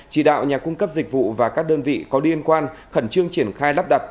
chỉ đạo nhà cung cấp dịch vụ và các đơn vị có liên quan khẩn trương triển khai lắp đặt